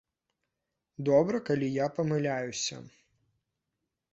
Добра, калі я памыляюся.